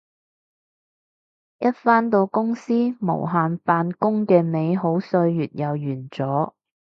一返到公司無限扮工嘅美好歲月又完咗